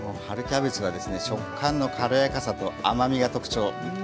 春キャベツはですね食感の軽やかさと甘みが特徴。